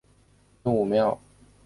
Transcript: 真武庙始建于明朝。